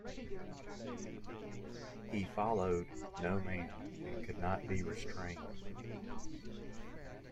He "followed no man", and "could not be restrained".